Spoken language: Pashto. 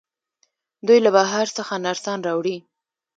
دوی له بهر څخه نرسان راوړي.